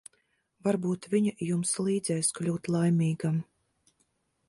Varbūt viņa jums līdzēs kļūt laimīgam.